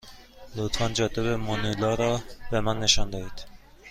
لطفا جاده به مانیلا را به من نشان دهید.